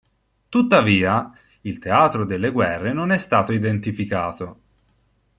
Tuttavia, il teatro delle guerre non è stato identificato.